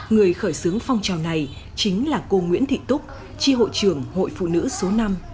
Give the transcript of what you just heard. người khởi xướng phong trào này chính là cô nguyễn thị túc chi hội trưởng hội phụ nữ số năm